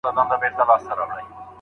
سوځول یې یو د بل کلي ښارونه